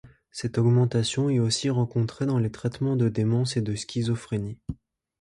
Cette augmentation est aussi rencontrée dans les traitement de démence et de schizophrénie.